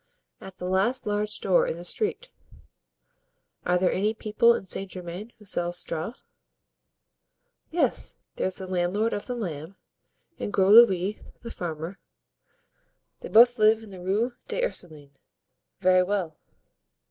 "At the last large door in the street." "Are there any other people in Saint Germain who sell straw?" "Yes; there's the landlord of the Lamb, and Gros Louis the farmer; they both live in the Rue des Ursulines." "Very well."